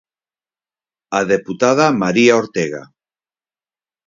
A deputada María Ortega.